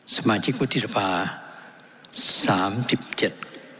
สมาชิกวุฒิสภาสามสิบเจ็ด